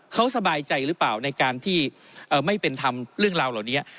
เขาสบายใจหรือเปล่าในการที่ไม่เป็นทำเรื่องราวเหล่านี้